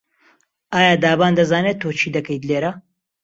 ئایا دابان دەزانێت تۆ چی دەکەیت لێرە؟